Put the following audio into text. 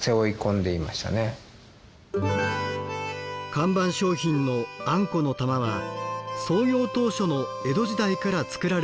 看板商品のあんこの玉は創業当初の江戸時代から作られているもの。